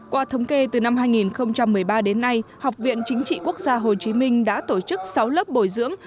qua thống kê từ năm hai nghìn một mươi ba đến nay học viện chính trị quốc gia hồ chí minh đã tổ chức sáu lớp bồi dưỡng